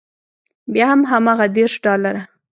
بیا هم هماغه دېرش ډالره.